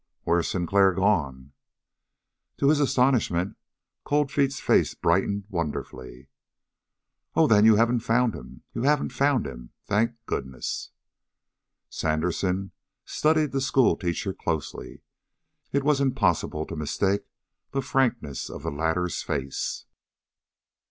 "Where's Sinclair gone?" To his astonishment, Cold Feet's face brightened wonderfully. "Oh, then you haven't found him? You haven't found him? Thank goodness!" Sandersen studied the schoolteacher closely. It was impossible to mistake the frankness of the latter's face.